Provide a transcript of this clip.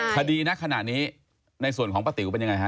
คดีณขณะนี้ในส่วนของป้าติ๋วเป็นยังไงฮ